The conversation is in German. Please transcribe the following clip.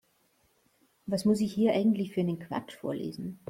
Was muss ich hier eigentlich für einen Quatsch vorlesen?